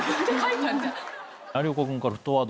有岡君から沸騰ワード。